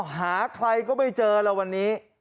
หาใครก็ไม่เจอแล้ววันนี้